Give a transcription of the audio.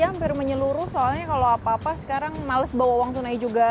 hampir menyeluruh soalnya kalau apa apa sekarang males bawa uang tunai juga